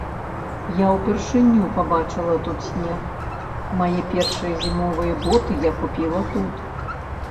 Я ўпершыню пабачыла тут снег, мае першыя зімовыя боты я купіла тут.